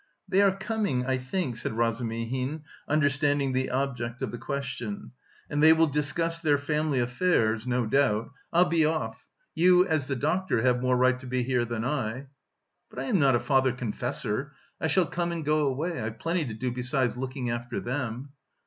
"They are coming, I think," said Razumihin, understanding the object of the question, "and they will discuss their family affairs, no doubt. I'll be off. You, as the doctor, have more right to be here than I." "But I am not a father confessor; I shall come and go away; I've plenty to do besides looking after them."